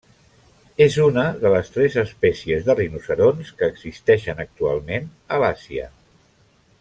És una de les tres espècies de rinoceronts que existeixen actualment a l'Àsia.